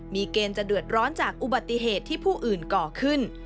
มีเกณฑ์จะเดือดร้อนจากอุบัติเหตุที่ผู้อื่นก่อขึ้น